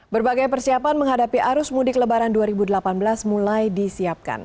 berbagai persiapan menghadapi arus mudik lebaran dua ribu delapan belas mulai disiapkan